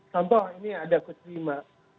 contoh ini ada kusvima